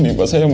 tapi apa itu